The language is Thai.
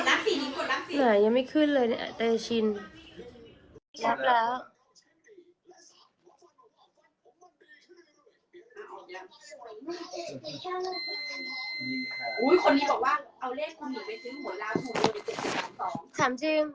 เอออุ๊ยคนนี้บอกว่าเอาเลขคุณหนูไปเย็นหัวแล้วถูกไปในเมื่อเจ็บจำสอง